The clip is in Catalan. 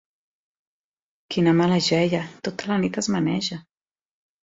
Quina mala jeia: tota la nit es maneja!